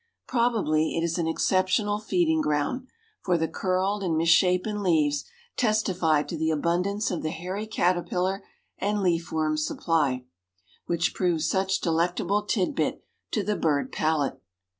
Probably it is an exceptional feeding ground, for the curled and misshapen leaves testify to the abundance of the hairy caterpillar and leaf worm supply, which proves such delectable tidbit to the bird palate.